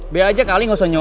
be aja kali gak usah nyolot